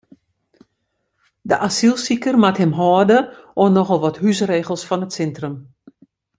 De asylsiker moat him hâlde oan nochal wat húsregels fan it sintrum.